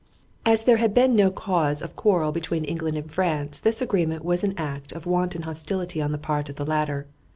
As there had been no cause of quarrel between England and France, this agreement was an act of wanton hostility on the part of the latter.